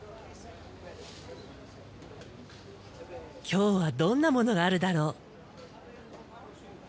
今日はどんなものがあるだろう。